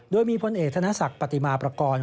โดยมีพลเอกธนศักดิ์ปฏิมาประกอบ